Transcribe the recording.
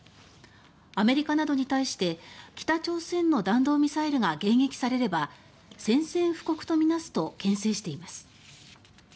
アメリカなどに対して北朝鮮の弾道ミサイルが迎撃されれば「宣戦布告と見なす」とけん制しています。